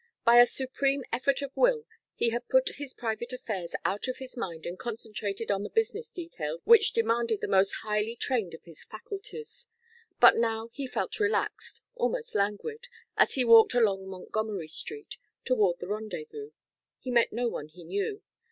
By a supreme effort of will he had put his private affairs out of his mind and concentrated on the business details which demanded the most highly trained of his faculties. But now he felt relaxed, almost languid, as he walked along Montgomery Street toward the rendezvous. He met no one he knew.